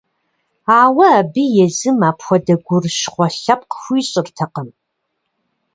Ауэ абы езым апхуэдэ гурыщхъуэ лъэпкъ хуищӏыртэкъым.